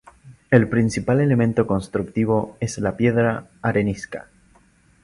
El principal elemento constructivo es la piedra arenisca.